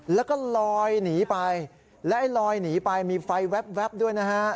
แล้วก็ลอยหนีไปและไอ้ลอยหนีไปมีไฟแว๊บด้วยนะฮะ